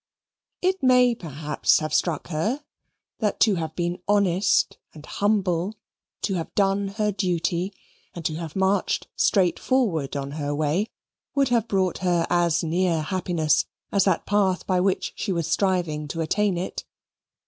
It may, perhaps, have struck her that to have been honest and humble, to have done her duty, and to have marched straightforward on her way, would have brought her as near happiness as that path by which she was striving to attain it.